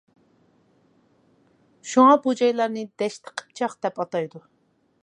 شۇڭا بۇ جايلارنى دەشتى قىپچاق دەپ ئاتايدۇ.